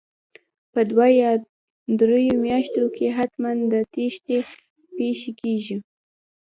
په دوو یا درو میاشتو کې حتمن د تېښتې پېښې کیږي